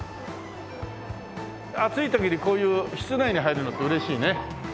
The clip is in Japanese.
暑い時にこういう室内に入るのって嬉しいね。